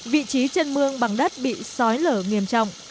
vị trí chân mương bằng đất bị sói lở nghiêm trọng